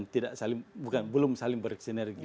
tidak fokus dan belum saling bersinergi